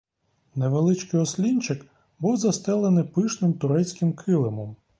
Невеличкий ослінчик був застелений пишним турецьким килимом.